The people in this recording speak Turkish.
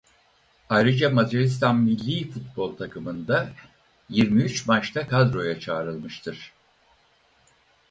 Ayrıca Macaristan millî futbol takımında yirmi üç maçta kadroya çağrılmıştır.